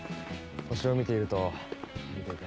星を見ていると何ていうか。